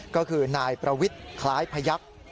ก็คือนายประวิทย์คล้ายพยักษ์